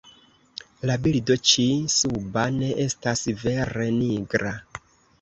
La bildo ĉi suba ne estas vere nigra.